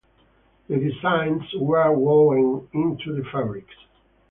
The designs were woven into the fabrics.